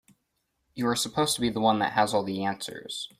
You're supposed to be the one that has all the answers.